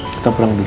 kita pulang dulu ya